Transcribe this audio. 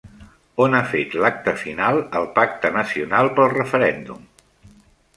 On ha fet l'acte final el Pacte Nacional pel Referèndum?